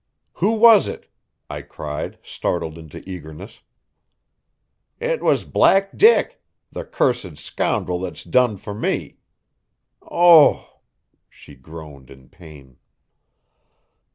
"Who was it?" I cried, startled into eagerness. "It was Black Dick the cursed scoundrel that's done for me. Oh!" she groaned in pain.